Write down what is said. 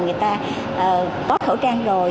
người ta có khẩu trang rồi